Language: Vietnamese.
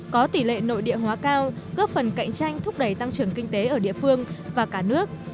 có tỷ lệ nội địa hóa cao góp phần cạnh tranh thúc đẩy tăng trưởng kinh tế ở địa phương và cả nước